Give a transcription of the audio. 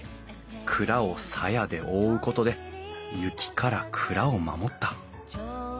蔵を鞘で覆うことで雪から蔵を守った。